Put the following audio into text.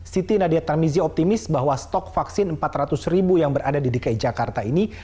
siti nadia tarmizi optimis bahwa stok vaksin empat ratus ribu yang berada di dki jakarta ini